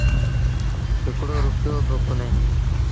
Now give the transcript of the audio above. هڪڙو رپيو با ڪونهي